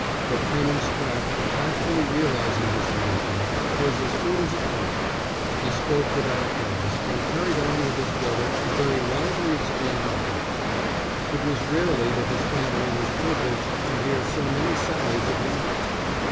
But Canon Spratte, tactfully realizing his condition, was as good as a band; he spoke without pause, and carried on with his brother a very lively exchange of banter. It was rarely that his family was privileged to hear so many sallies of his wit.